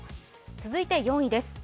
続いて４位です。